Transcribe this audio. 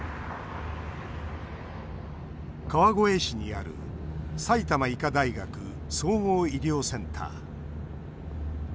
川越市にある埼玉医科大学総合医療センター。